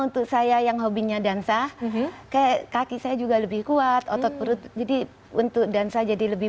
untuk saya yang hobinya dansa kayak kaki saya juga lebih kuat otot perut jadi untuk dansa jadi lebih